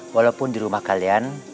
walaupun di rumah kalian